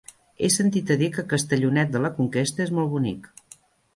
He sentit a dir que Castellonet de la Conquesta és molt bonic.